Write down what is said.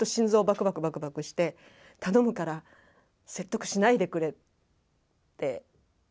バクバクバクバクして頼むから説得しないでくれって。